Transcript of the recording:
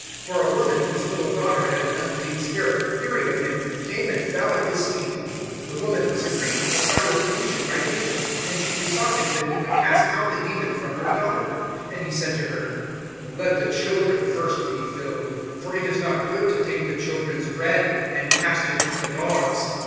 (25)For a woman, whose little daughter had an unclean spirit, hearing of him, came and fell at his feet. (26)The woman was a Greek, a Syrophenician by nation; and she besought him that he would cast out the demon from her daughter. (27)And he said to her: Let the children first be filled; for it is not good to take the children's bread and cast it to the dogs.